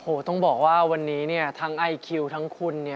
โอ้โฮต้องบอกว่าวันนี้ทั้งไอคิวทั้งคุณ